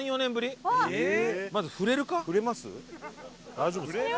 大丈夫ですか？